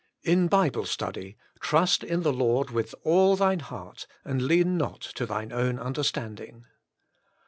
In Bible study, "Trust in the Lord with all thine heart, and lean not to thine own under standing."